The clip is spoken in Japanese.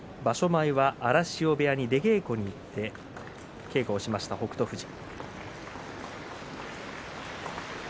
前は荒汐部屋に出稽古に行って稽古をしました、北勝富士。